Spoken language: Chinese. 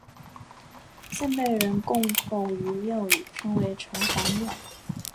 现被人供奉于庙宇称为城隍庙。